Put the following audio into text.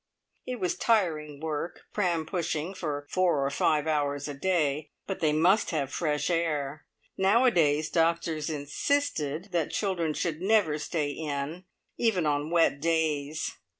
It was tiring work, pram pushing for four or five hours a day, but they must have fresh air. Nowadays doctors insisted that children should never stay in, even on wet days.